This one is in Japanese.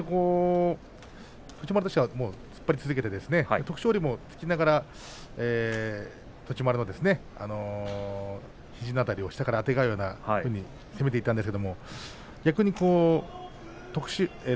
栃丸としては突っ張り続け徳勝龍も突きながら栃丸の肘の辺りを下からあてがうような感じで攻めていきました。